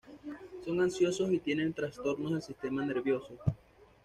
Son ansiosos y tienen trastornos del sistema nervioso.